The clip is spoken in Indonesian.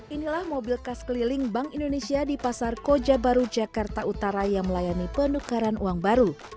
inilah mobil khas keliling bank indonesia di pasar koja baru jakarta utara yang melayani penukaran uang baru